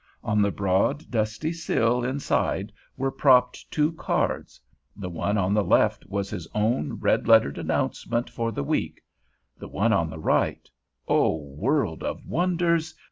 On the broad, dusty sill inside were propped two cards: the one on the left was his own red lettered announcement for the week; the one at the right—oh, world of wonders!